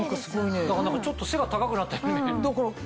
だからちょっと背が高くなったように見える。